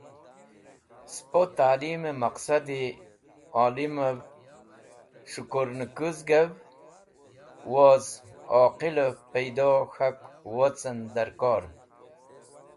Spo talimẽ maqsadi olemev, s̃hekurnẽkuzgẽv woz oqoliv peydo k̃hak wocẽn dẽrkor.